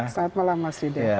selamat malam mas rida